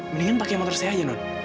mendingan pakai motor saya aja non